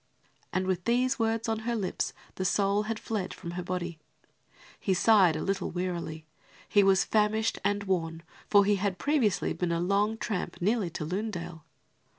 and with these words on her lips the soul had fled from her body. He sighed a little wearily. He was famished and worn for he had previously been a long tramp nearly to Lunedale.